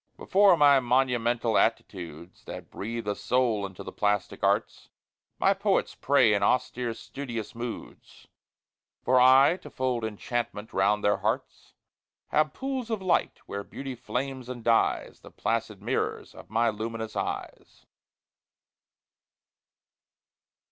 Before my monumental attitudes, That breathe a soul into the plastic arts, My poets pray in austere studious moods, For I, to fold enchantment round their hearts, Have pools of light where beauty flames and dies, The placid mirrors of my luminous eyes.